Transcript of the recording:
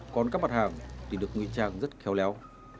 còn các mặt hàng thì được ngụy trang rất khéo léo